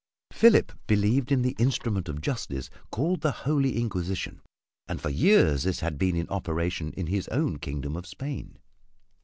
Philip believed in the instrument of justice called the Holy Inquisition and for years this had been in operation in his own kingdom of Spain.